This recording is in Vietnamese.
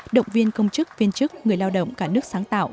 động viên công chức viên chức người lao động cả nước sáng tạo